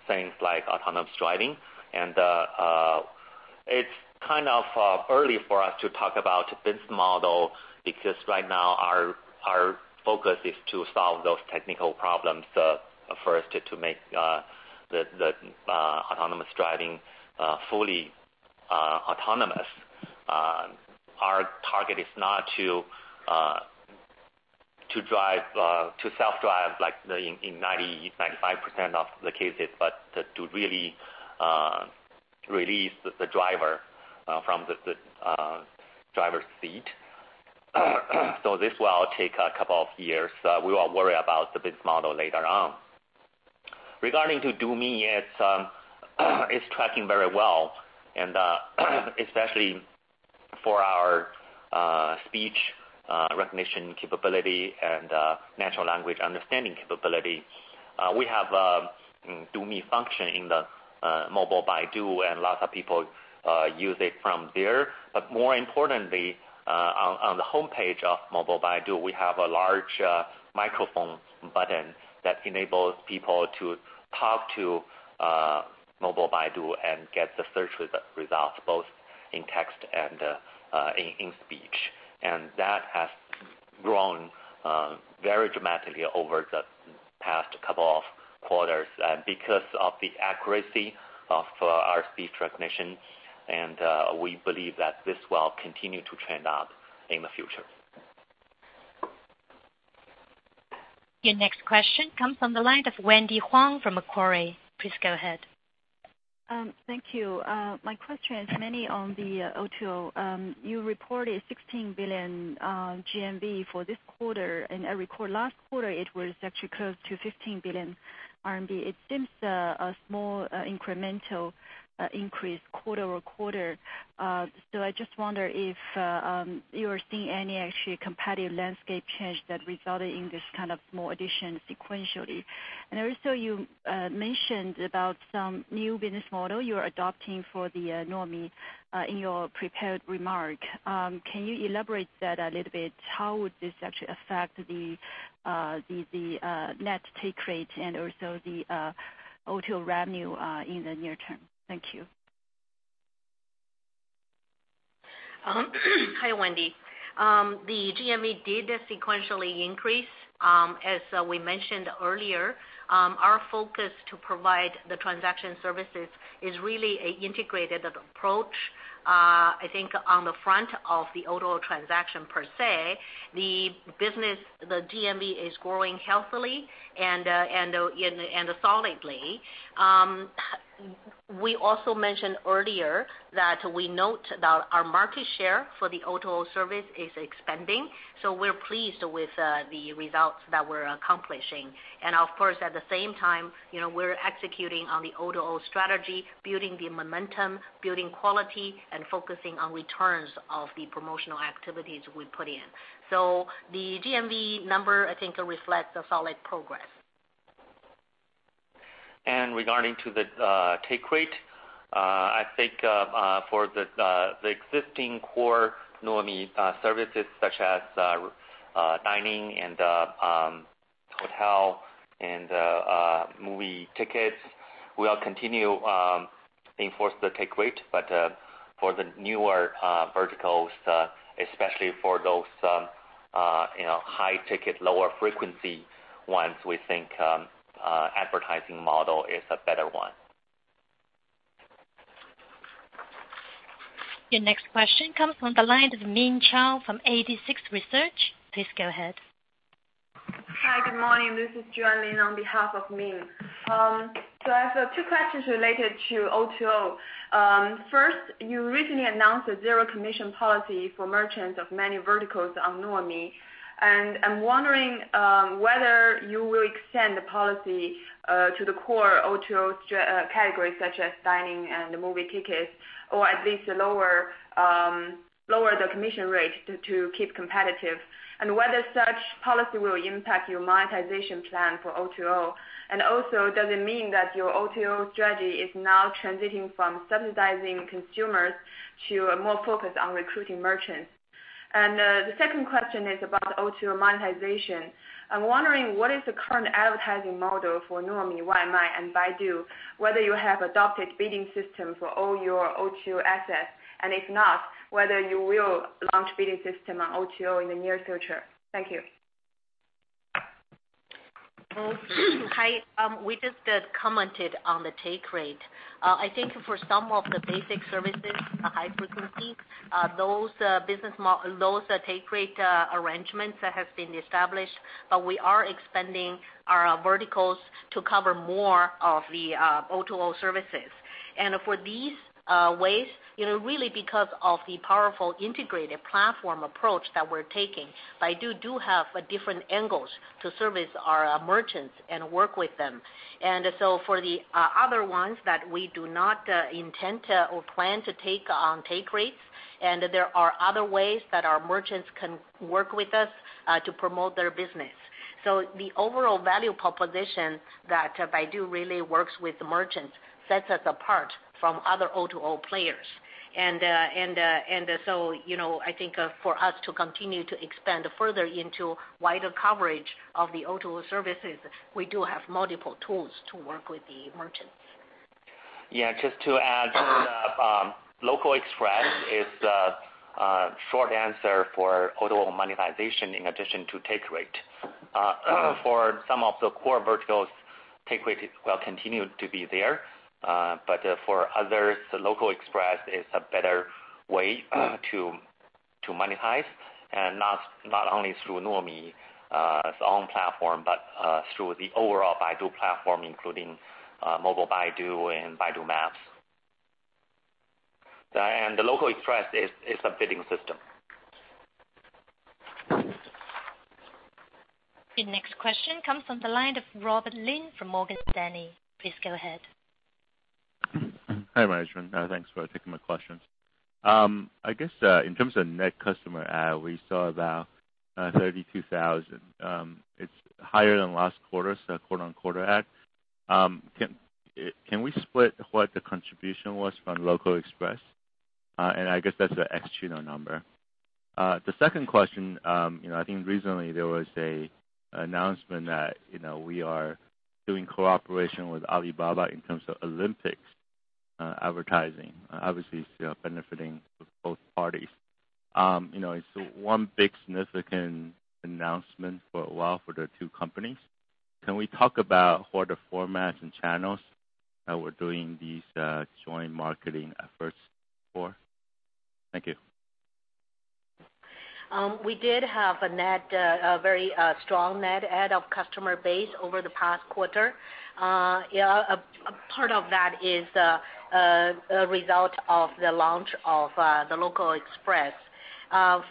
things like autonomous driving. It's kind of early for us to talk about this model because right now our focus is to solve those technical problems first to make the autonomous driving fully autonomous. Our target is not to self-drive in 90%, 95% of the cases, but to really release the driver from the driver's seat. This will take a couple of years. We will worry about the business model later on. Regarding to Duer, it's tracking very well especially for our speech recognition capability and natural language understanding capability. We have Duer function in the Mobile Baidu, lots of people use it from there. More importantly, on the homepage of Mobile Baidu, we have a large microphone button that enables people to talk to Mobile Baidu and get the search results both in text and in speech. That has grown very dramatically over the past couple of quarters because of the accuracy of our speech recognition. We believe that this will continue to trend up in the future. Your next question comes from the line of Wendy Huang from Macquarie. Please go ahead. Thank you. My question is mainly on the O2O. You reported 16 billion GMV for this quarter, I recall last quarter it was actually close to 15 billion RMB. It seems a small incremental increase quarter-over-quarter. I just wonder if you are seeing any actually competitive landscape change that resulted in this kind of small addition sequentially. You mentioned about some new business model you are adopting for the Nuomi in your prepared remark. Can you elaborate that a little bit? How would this actually affect the net take rate and also the O2O revenue in the near term? Thank you. Hi, Wendy. The GMV did sequentially increase. As we mentioned earlier, our focus to provide the transaction services is really an integrated approach. I think on the front of the O2O transaction per se, the business, the GMV is growing healthily and solidly. We also mentioned earlier that we note that our market share for the O2O service is expanding, so we're pleased with the results that we're accomplishing. Of course, at the same time, we're executing on the O2O strategy, building the momentum, building quality, and focusing on returns of the promotional activities we put in. The GMV number, I think, reflects a solid progress. Regarding to the take rate, I think for the existing core Nuomi services such as dining and hotel and movie tickets, we'll continue enforcing the take rate. For the newer verticals, especially for those high ticket, lower frequency ones, we think advertising model is a better one. Your next question comes from the line of Min Zhao from Eighty-Six Research. Please go ahead. Hi, good morning. This is Juan Lin on behalf of Min. I have two questions related to O2O. First, you recently announced a zero commission policy for merchants of many verticals on Nuomi. I'm wondering whether you will extend the policy to the core O2O categories such as dining and movie tickets, or at least lower the commission rate to keep competitive, whether such policy will impact your monetization plan for O2O. Does it mean that your O2O strategy is now transitioning from subsidizing consumers to more focus on recruiting merchants? The second question is about O2O monetization. I'm wondering what is the current advertising model for Nuomi, Wai Mai, and Baidu, whether you have adopted bidding system for all your O2O assets, if not, whether you will launch bidding system on O2O in the near future. Thank you. Hi. We just commented on the take rate. For some of the basic services, high frequency, those take rate arrangements have been established, we are expanding our verticals to cover more of the O2O services. For these ways, really because of the powerful integrated platform approach that we're taking, Baidu do have different angles to service our merchants and work with them. For the other ones that we do not intend to or plan to take on take rates, there are other ways that our merchants can work with us to promote their business. The overall value proposition that Baidu really works with merchants sets us apart from other O2O players. For us to continue to expand further into wider coverage of the O2O services, we do have multiple tools to work with the merchants. Yeah, just to add, Local Express is the short answer for O2O monetization in addition to take rate. For some of the core verticals, take rate will continue to be there, for others, Local Express is a better way to monetize not only through Nuomi's own platform, but through the overall Baidu platform including Mobile Baidu and Baidu Maps. The Local Express is a bidding system. The next question comes from the line of Robert Lin from Morgan Stanley. Please go ahead. Hi, management. Thanks for taking my questions. I guess, in terms of net customer add, we saw about 32,000. It's higher than last quarter, so quarter-on-quarter add. Can we split what the contribution was from Local Express? I guess that's the ex-Qunar number. The second question, I think recently there was an announcement that we are doing cooperation with Alibaba in terms of Olympics advertising. Obviously, it's benefiting both parties. It's one big significant announcement for a while for the two companies. Can we talk about what the formats and channels that we're doing these joint marketing efforts for? Thank you. We did have a very strong net add of customer base over the past quarter. Part of that is a result of the launch of the Local Express,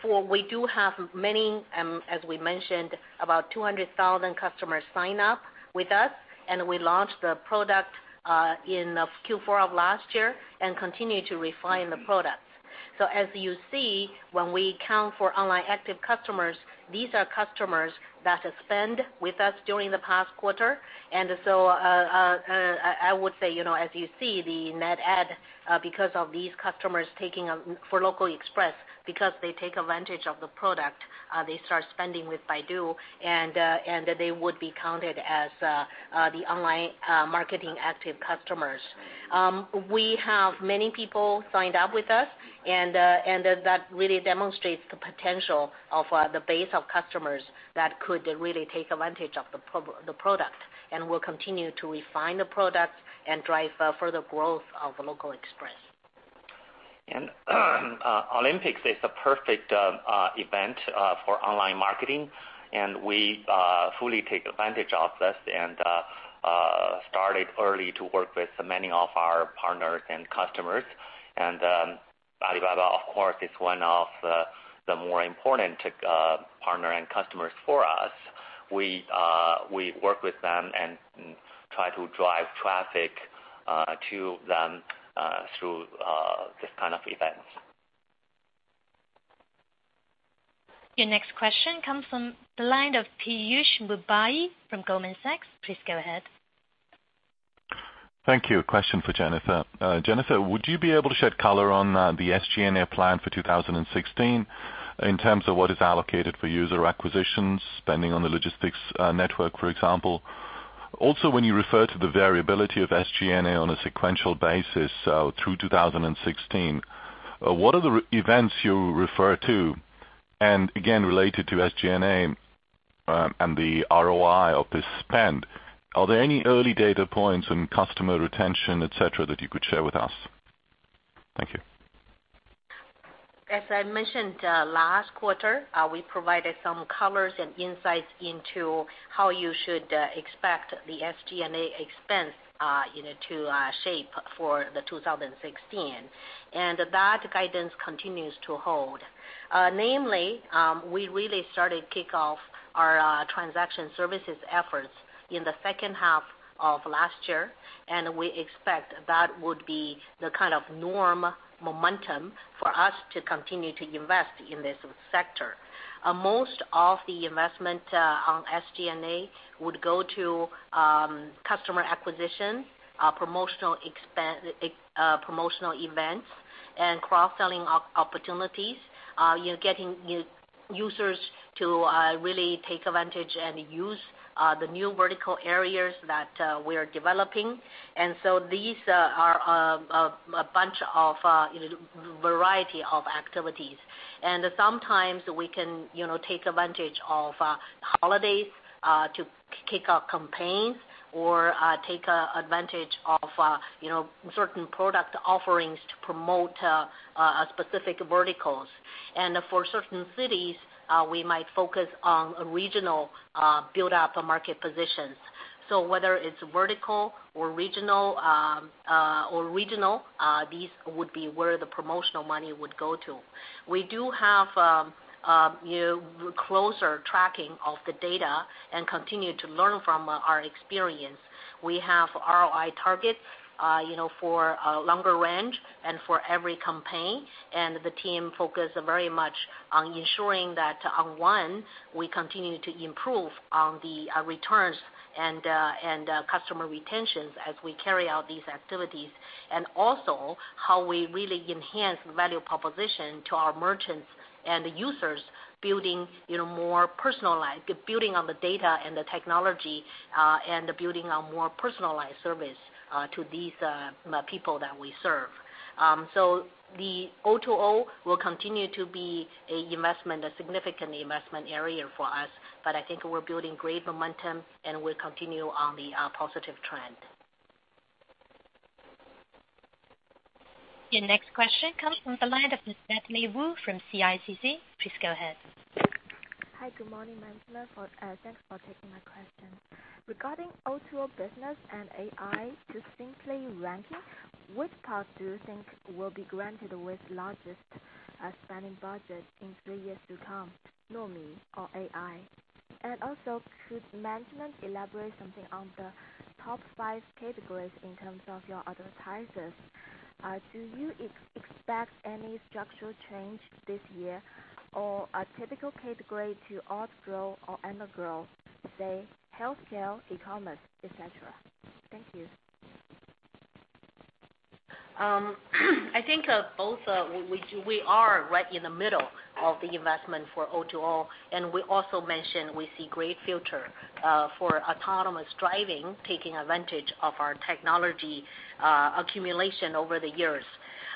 for we do have many, as we mentioned, about 200,000 customers sign up with us, and we launched the product in Q4 of last year and continue to refine the product. As you see, when we count for online active customers, these are customers that spend with us during the past quarter. I would say, as you see, the net add because of these customers for Local Express, because they take advantage of the product, they start spending with Baidu, and they would be counted as the online marketing active customers. We have many people signed up with us, and that really demonstrates the potential of the base of customers that could really take advantage of the product. We'll continue to refine the product and drive further growth of Local Express. Olympics is the perfect event for online marketing, and we fully take advantage of this and started early to work with many of our partners and customers. Alibaba, of course, is one of the more important partner and customers for us. We work with them and try to drive traffic to them through this kind of events. Your next question comes from the line of Piyush Mubayi from Goldman Sachs. Please go ahead. Thank you. Question for Jennifer. Jennifer, would you be able to shed color on the SG&A plan for 2016 in terms of what is allocated for user acquisitions, spending on the logistics network, for example? Also, when you refer to the variability of SG&A on a sequential basis through 2016, what are the events you refer to? Again, related to SG&A and the ROI of the spend, are there any early data points on customer retention, et cetera, that you could share with us? Thank you. As I mentioned last quarter, we provided some colors and insights into how you should expect the SG&A expense to shape for the 2016. That guidance continues to hold. Namely, we really started kick off our transaction services efforts in the second half of last year, and we expect that would be the kind of norm momentum for us to continue to invest in this sector. Most of the investment on SG&A would go to customer acquisition, promotional events, and cross-selling opportunities. You're getting users to really take advantage and use the new vertical areas that we're developing. These are a bunch of variety of activities. Sometimes we can take advantage of holidays to kick off campaigns or take advantage of certain product offerings to promote specific verticals. For certain cities, we might focus on regional build up of market positions. Whether it's vertical or regional, these would be where the promotional money would go to. We do have closer tracking of the data and continue to learn from our experience. We have ROI targets for a longer range and for every campaign, and the team focus very much On ensuring that on one, we continue to improve on the returns and customer retentions as we carry out these activities, and also how we really enhance value proposition to our merchants and the users building on the data and the technology, and building a more personalized service to these people that we serve. The O2O will continue to be a significant investment area for us, but I think we're building great momentum, and we'll continue on the positive trend. Your next question comes from the line of Ms. Natalie Wu from CICC. Please go ahead. Hi, good morning, management. Thanks for taking my question. Regarding O2O business and AI to search and ranking, which part do you think will be granted with largest spending budget in three years to come, Nuomi or AI? Also, could management elaborate something on the top five categories in terms of your advertisers? Do you expect any structural change this year or a typical category to outgrow or undergrow, say, healthcare, e-commerce, et cetera? Thank you. I think both. We are right in the middle of the investment for O2O, we also mentioned we see great future for autonomous driving, taking advantage of our technology accumulation over the years.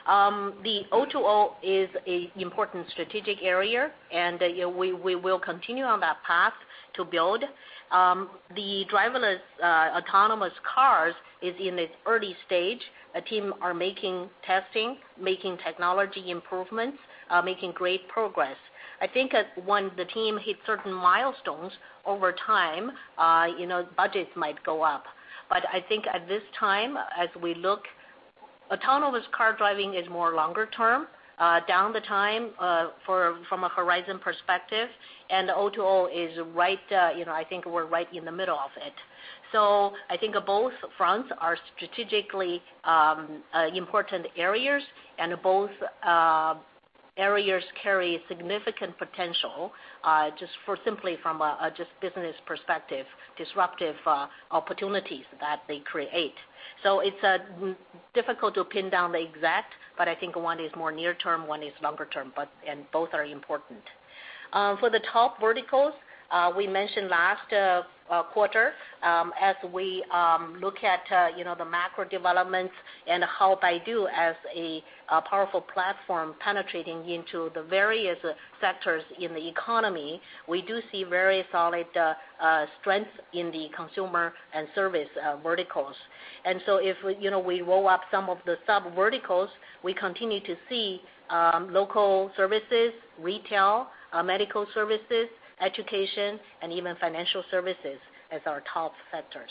The O2O is an important strategic area, we will continue on that path to build. The driverless autonomous cars is in its early stage. A team are making testing, making technology improvements, making great progress. I think once the team hit certain milestones over time, budgets might go up. I think at this time, as we look, autonomous car driving is more longer term down the time from a horizon perspective, and O2O, I think we're right in the middle of it. I think both fronts are strategically important areas, and both areas carry significant potential just for simply from a just business perspective, disruptive opportunities that they create. It's difficult to pin down the exact, I think one is more near term, one is longer term, and both are important. For the top verticals, we mentioned last quarter, as we look at the macro developments and how Baidu as a powerful platform penetrating into the various sectors in the economy, we do see very solid strength in the consumer and service verticals. If we roll up some of the sub verticals, we continue to see local services, retail, medical services, education, and even financial services as our top sectors.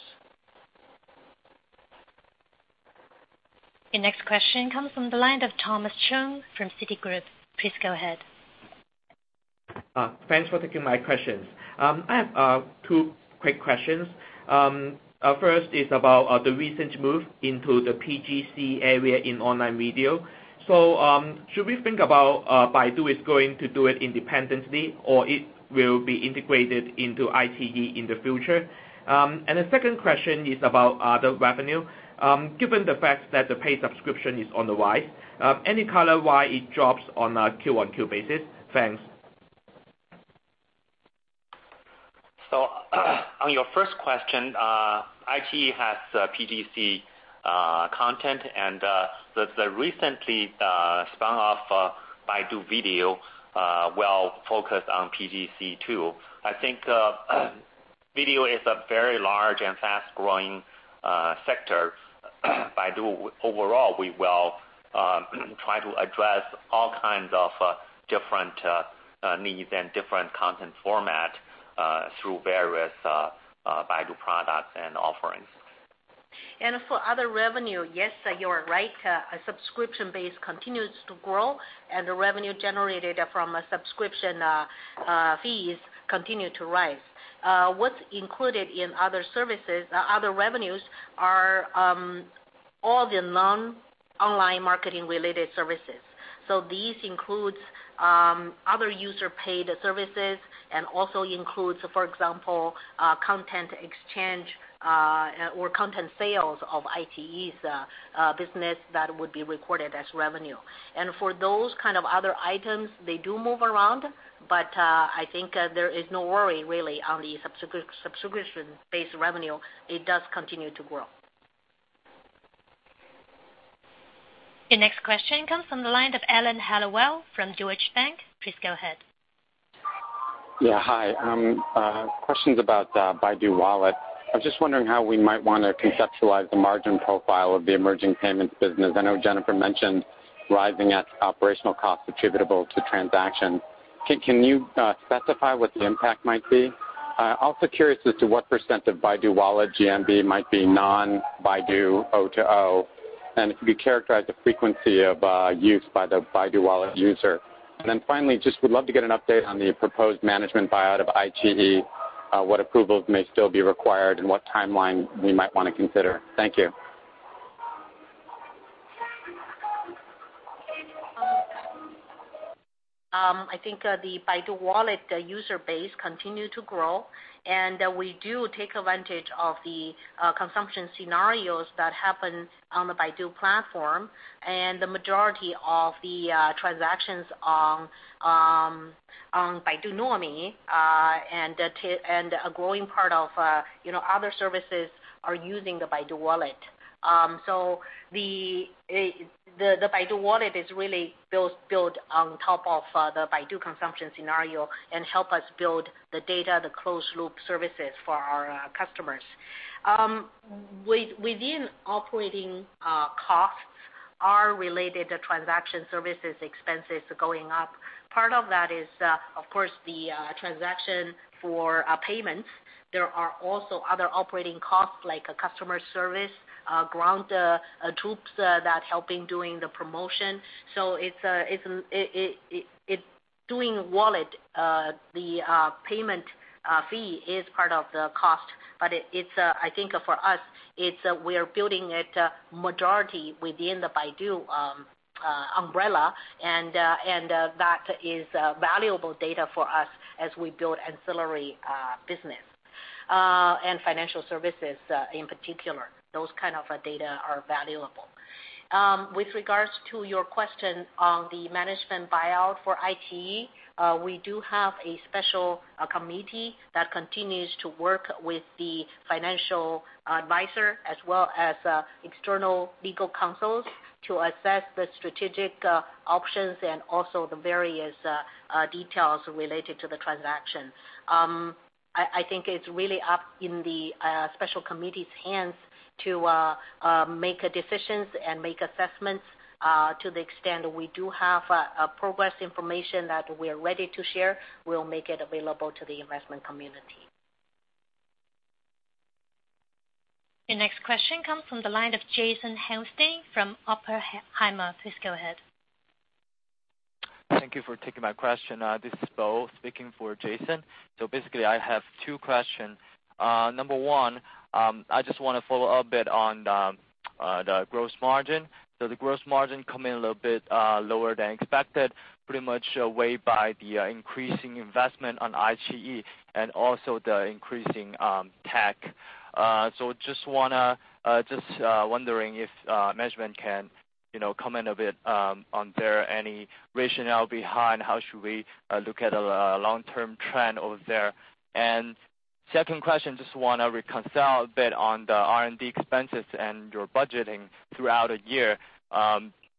Your next question comes from the line of Thomas Chong from Citigroup. Please go ahead. Thanks for taking my questions. I have two quick questions. First is about the recent move into the PGC area in online video. Should we think about Baidu is going to do it independently or it will be integrated into iQIYI in the future? The second question is about the revenue. Given the fact that the paid subscription is on the rise, any color why it drops on a Q on Q basis? Thanks. On your first question, iQIYI has PGC content, and the recently spun off Baidu Video will focus on PGC, too. I think video is a very large and fast-growing sector. Baidu, overall, we will try to address all kinds of different needs and different content format through various Baidu products and offerings. For other revenue, yes, you are right. A subscription base continues to grow, and the revenue generated from subscription fees continue to rise. What's included in other revenues are all the non-online marketing related services. These includes other user-paid services and also includes, for example, content exchange or content sales of iQIYI's business that would be recorded as revenue. For those kind of other items, they do move around, but I think there is no worry really on the subscription-based revenue. It does continue to grow. Your next question comes from the line of Alan Hellawell from Deutsche Bank. Please go ahead. Yeah. Hi. Question's about Baidu Wallet. I was just wondering how we might want to conceptualize the margin profile of the emerging payments business. I know Jennifer mentioned rising operational costs attributable to transactions. Can you specify what the impact might be? Also curious as to what % of Baidu Wallet GMV might be non-Baidu O2O, and if you characterize the frequency of use by the Baidu Wallet user. Finally, just would love to get an update on the proposed management buyout of iQIYI, what approvals may still be required and what timeline we might want to consider. Thank you. I think the Baidu Wallet user base continue to grow, and we do take advantage of the consumption scenarios that happen on the Baidu platform, and the majority of the transactions on Baidu Nuomi, and a growing part of other services are using the Baidu Wallet. The Baidu Wallet is really built on top of the Baidu consumption scenario and help us build the data, the closed loop services for our customers. Within operating costs are related transaction services expenses going up. Part of that is, of course, the transaction for payments. There are also other operating costs like customer service, ground troops that helping doing the promotion. Doing wallet, the payment fee is part of the cost, but I think for us, we are building it majority within the Baidu umbrella, and that is valuable data for us as we build ancillary business and financial services, in particular. Those kind of data are valuable. With regards to your question on the management buyout for iQIYI, we do have a special committee that continues to work with the financial advisor as well as external legal counsels to assess the strategic options and also the various details related to the transaction. I think it's really up in the special committee's hands to make decisions and make assessments to the extent we do have progress information that we are ready to share, we'll make it available to the investment community. Your next question comes from the line of Jason Helfstein from Oppenheimer. Please go ahead. Thank you for taking my question. This is Bo speaking for Jason. I have two questions. Number one, I just want to follow a bit on the gross margin. The gross margin come in a little bit lower than expected, pretty much weighed by the increasing investment on iQIYI and also the increasing TAC. Just wondering if management can comment a bit on there any rationale behind how should we look at a long-term trend over there. Second question, just want to reconcile a bit on the R&D expenses and your budgeting throughout a year,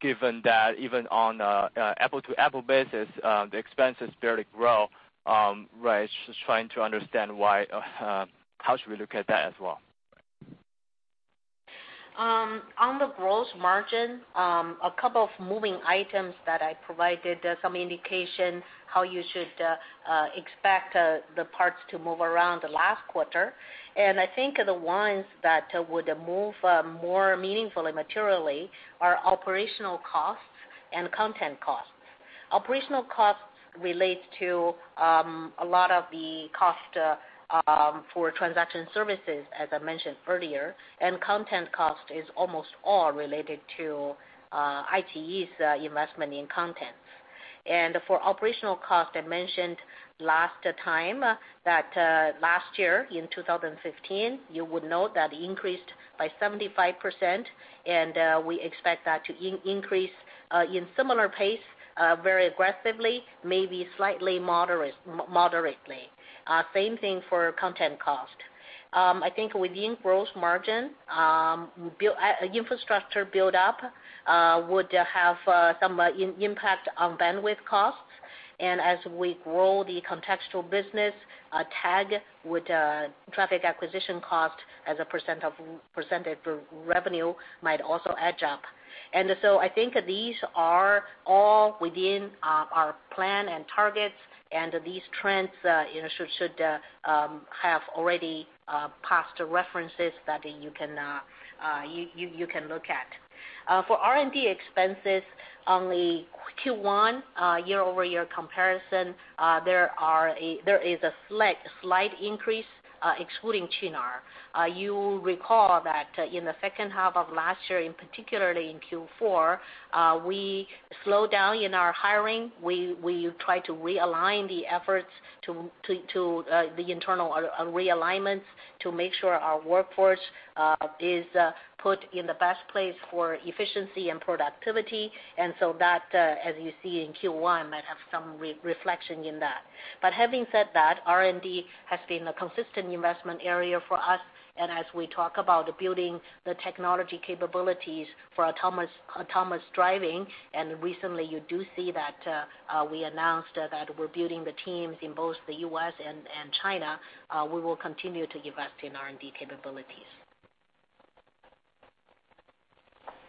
given that even on an apple-to-apple basis, the expenses barely grow. Just trying to understand how should we look at that as well. On the gross margin, a couple of moving items that I provided some indication how you should expect the parts to move around last quarter. I think the ones that would move more meaningfully materially are operational costs and content costs. Operational costs relate to a lot of the cost for transaction services, as I mentioned earlier, and content cost is almost all related to iQIYI's investment in content. For operational cost, I mentioned last time that last year in 2015, you would note that increased by 75%, and we expect that to increase in similar pace very aggressively, maybe slightly moderately. Same thing for content cost. I think within gross margin, infrastructure build-up would have some impact on bandwidth costs. As we grow the contextual business, TAC, with traffic acquisition cost as a percentage of revenue might also edge up. I think these are all within our plan and targets, and these trends should have already passed references that you can look at. For R&D expenses, on the Q1 year-over-year comparison, there is a slight increase excluding Qunar. You will recall that in the second half of last year, and particularly in Q4, we slowed down in our hiring. We tried to realign the efforts to the internal realignments to make sure our workforce is put in the best place for efficiency and productivity. That, as you see in Q1, might have some reflection in that. Having said that, R&D has been a consistent investment area for us, and as we talk about building the technology capabilities for autonomous driving, and recently you do see that we announced that we're building the teams in both the U.S. and China, we will continue to invest in R&D capabilities.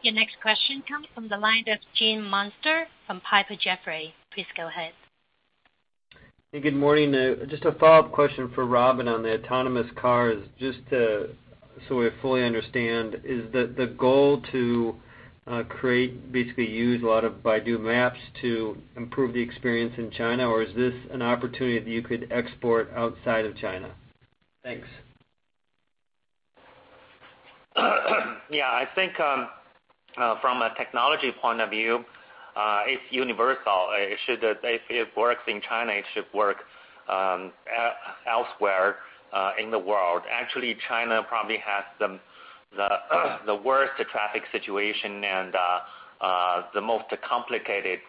Your next question comes from the line of Gene Munster from Piper Jaffray. Please go ahead. Hey, good morning. Just a follow-up question for Robin on the autonomous cars. Just so we fully understand, is the goal to create, basically use a lot of Baidu Maps to improve the experience in China, or is this an opportunity that you could export outside of China? Thanks. I think from a technology point of view, it's universal. If it works in China, it should work elsewhere in the world. Actually, China probably has the worst traffic situation and the most complicated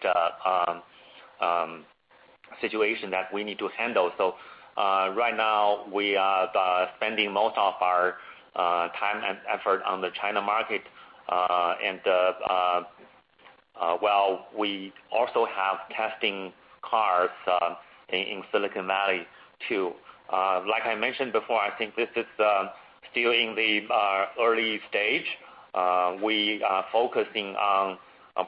situation that we need to handle. Right now, we are spending most of our time and effort on the China market, and while we also have testing cars in Silicon Valley too. Like I mentioned before, I think this is still in the early stage. We are focusing on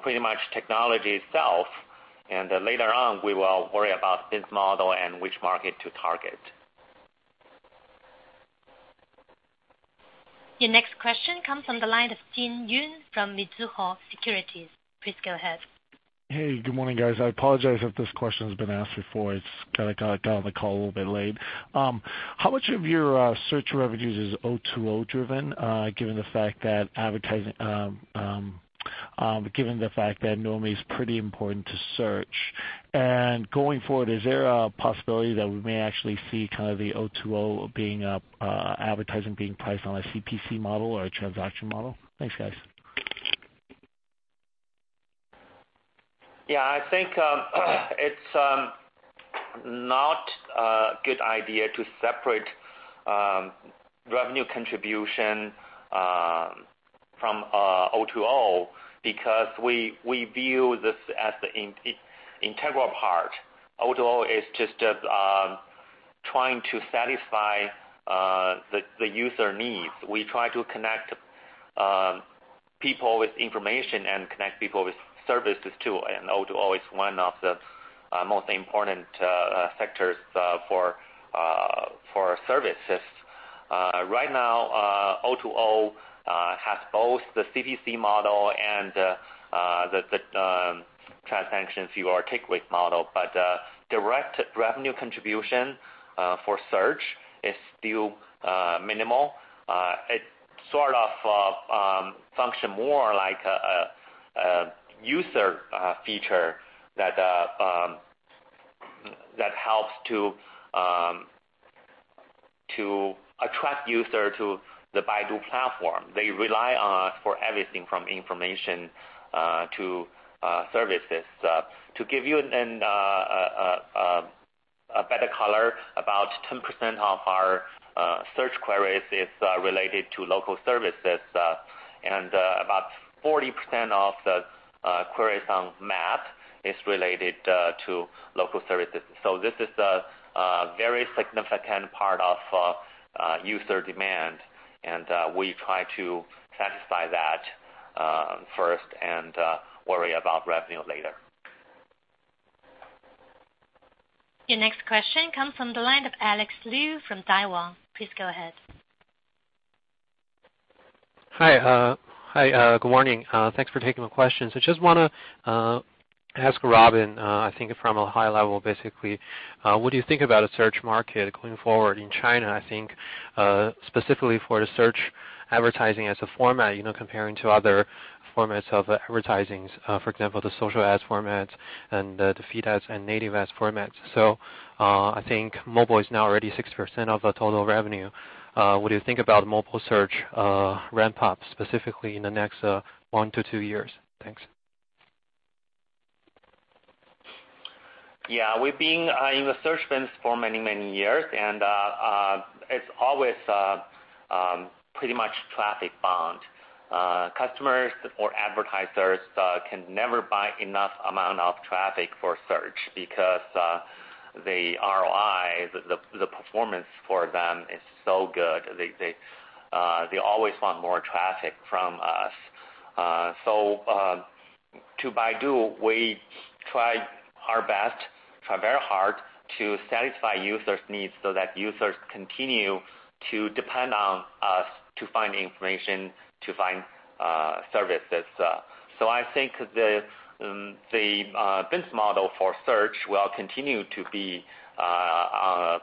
pretty much technology itself, and later on we will worry about this model and which market to target. Your next question comes from the line of Jin Yoon from Mizuho Securities. Please go ahead. Hey, good morning, guys. I apologize if this question's been asked before. It's kind of got on the call a little bit late. How much of your search revenues is O2O driven given the fact that normally it's pretty important to search? Going forward, is there a possibility that we may actually see kind of the O2O advertising being priced on a CPC model or a transaction model? Thanks, guys. I think it's not a good idea to separate revenue contribution from O2O, because we view this as the integral part. O2O is just trying to satisfy the user needs. We try to connect people with information and connect people with services, too. O2O is one of the most important sectors for services. Right now, O2O has both the CPC model and the transaction fee or take rate model. Direct revenue contribution for search is still minimal. It sort of function more like a user feature that helps to attract user to the Baidu platform. They rely on us for everything from information to services. To give you a better color, about 10% of our search queries is related to local services, and about 40% of the queries on Map is related to local services. This is a very significant part of user demand, and we try to satisfy that first and worry about revenue later. Your next question comes from the line of Alex Liu from Daiwa. Please go ahead. Hi, good morning. Thanks for taking my questions. I just want to ask Robin, I think from a high level, basically, what do you think about a search market going forward in China? I think specifically for the search advertising as a format comparing to other formats of advertising, for example, the social ads formats and the feed ads and native ads formats. I think mobile is now already 6% of the total revenue. What do you think about mobile search ramp-up specifically in the next one to two years? Thanks. We've been in the search business for many, many years, and it's always pretty much traffic bound. Customers or advertisers can never buy enough amount of traffic for search because the ROI, the performance for them is so good. They always want more traffic from us. To Baidu, we try our best, try very hard to satisfy users' needs so that users continue to depend on us to find information, to find services. I think the business model for search will continue to be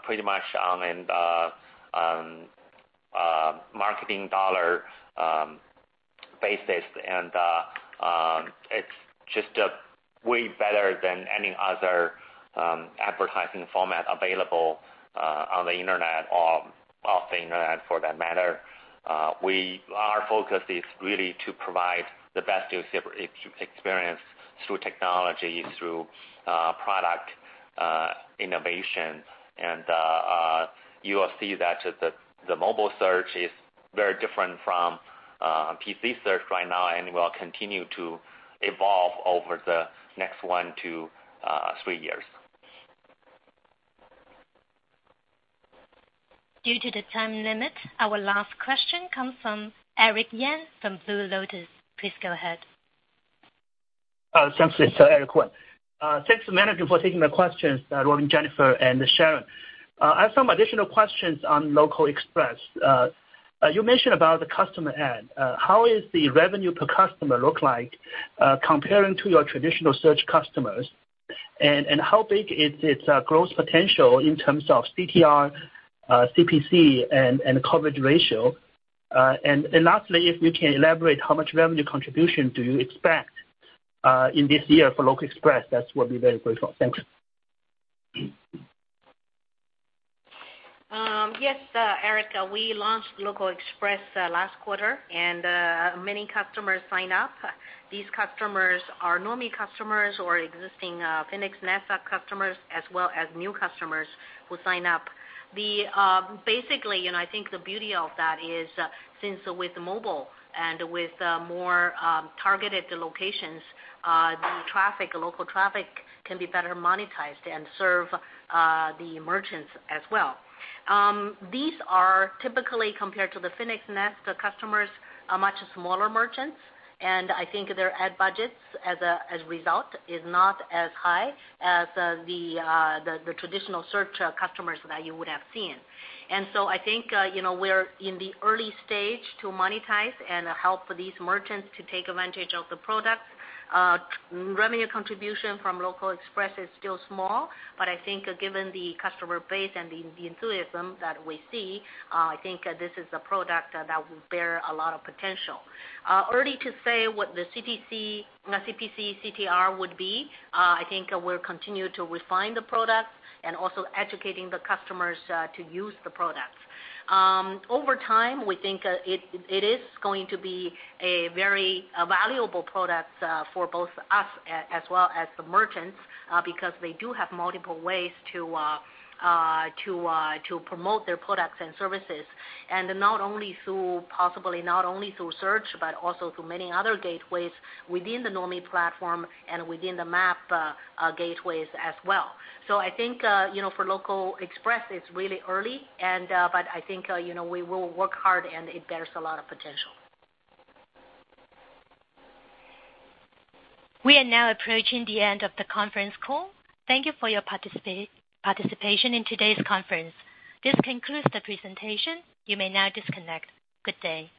pretty much on a marketing dollar basis, and it's just way better than any other advertising format available on the internet or off the internet for that matter. Our focus is really to provide the best user experience through technology, through product innovation, and you will see that the mobile search is very different from PC search right now and will continue to evolve over the next one to three years. Due to the time limit, our last question comes from Eric Wen from Blue Lotus. Please go ahead. Thanks. This is Eric Yan. Thanks, management, for taking the questions, Robin, Jennifer, and Sharon. I have some additional questions on Local Express. You mentioned about the customer ad. How is the revenue per customer look like comparing to your traditional search customers? How big is its growth potential in terms of CTR, CPC, and coverage ratio? Lastly, if we can elaborate, how much revenue contribution do you expect in this year for Local Express? That will be very grateful. Thank you. Yes, Eric. We launched Local Express last quarter, and many customers signed up. These customers are normal customers or existing Phoenix Nest customers, as well as new customers who sign up. Basically, I think the beauty of that is, since with mobile and with more targeted locations, the local traffic can be better monetized and serve the merchants as well. These are typically compared to the Phoenix Nest customers, much smaller merchants, and I think their ad budgets, as a result, are not as high as the traditional search customers that you would have seen. I think, we're in the early stage to monetize and help these merchants to take advantage of the products. Revenue contribution from Local Express is still small, but I think given the customer base and the enthusiasm that we see, I think this is a product that will bear a lot of potential. Early to say what the CPC, CTR would be. I think we'll continue to refine the product and also educate the customers to use the products. Over time, we think it is going to be a very valuable product for both us as well as the merchants, because they do have multiple ways to promote their products and services. Possibly not only through search, but also through many other gateways within the normal platform and within the map gateways as well. I think, for Local Express, it's really early, but I think, we will work hard and it bears a lot of potential. We are now approaching the end of the conference call. Thank you for your participation in today's conference. This concludes the presentation. You may now disconnect. Good day.